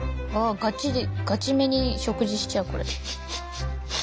ガチめに食事しちゃうこれ。